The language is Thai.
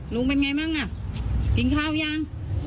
เป็นไงบ้างอ่ะกินข้าวยัง